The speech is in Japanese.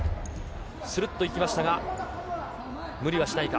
するっといきましたが、無理はしないか。